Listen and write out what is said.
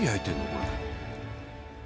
これ。